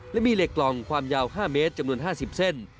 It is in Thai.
และมีเหล็กกล่องความยาว๕เมตรจำนวน๕๐เส้น